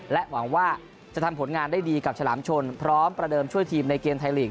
หวังว่าจะทำผลงานได้ดีกับฉลามชนพร้อมประเดิมช่วยทีมในเกมไทยลีก